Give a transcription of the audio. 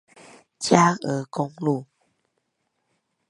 佳鵝公路